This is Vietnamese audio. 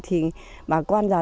thì nó sẽ được thua thiệt